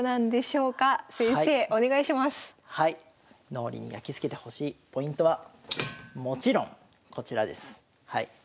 脳裏にやきつけてほしいポイントはもちろんこちらです。